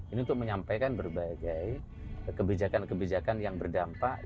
ini untuk menyampaikan berbagai kebijakan kebijakan yang berdampak